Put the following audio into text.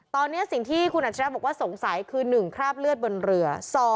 ตอนนี้สิ่งที่คุณอัจฉริยะบอกว่าสงสัยคือ๑คราบเลือดบนเรือ